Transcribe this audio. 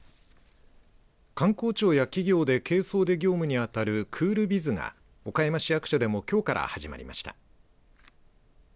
観光庁や企業で軽装で業務に当たるクールビズが岡山市役所でもきょうから始まりました。